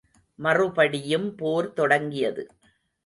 மறுபடியும் போர் தொடங்கியது.